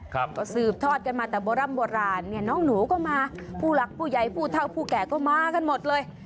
ก็สืบทอดกันมาแต่โบร่ำโบราณเนี่ยน้องหนูก็มาผู้หลักผู้ใหญ่ผู้เท่าผู้แก่ก็มากันหมดเลย